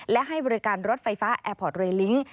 และให้บริการรถไฟฟ้าแอร์พอร์ตเรลิ้ง